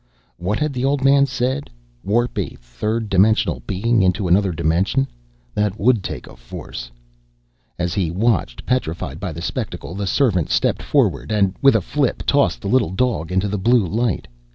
What had the old man said? Warp a third dimensional being into another dimension! That would take force! As he watched, petrified by the spectacle, the servant stepped forward and, with a flip, tossed the little dog into the blue light.